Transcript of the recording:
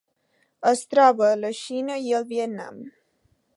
Es troba a la Xina i el Vietnam.